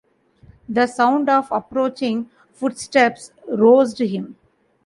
The sound of approaching footsteps roused him.